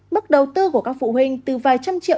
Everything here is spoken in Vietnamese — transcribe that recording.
mức đầu tư của các phụ huynh từ vài trăm triệu